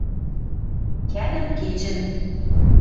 Кӓнӹм кечӹн